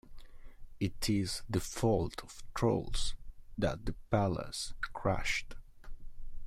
It is the fault of Trolls that the Palace crashed.